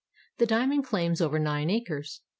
The diamond claims cover nine acres.